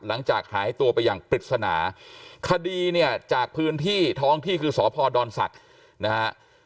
หลังจากหายตัวไปอย่างปริศนาคดีเนี่ยจากพื้นที่ท้องที่คือสพดศักดิ์นะฮะ